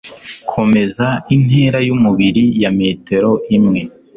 Komeza intera yumubiri ya metero imwe.